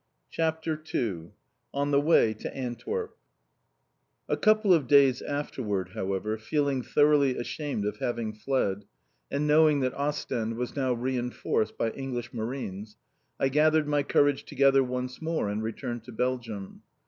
CHAPTER II ON THE WAY TO ANTWERP A couple of days afterward, however, feeling thoroughly ashamed of having fled, and knowing that Ostend was now reinforced by English Marines, I gathered my courage together once more, and returned to Belgium.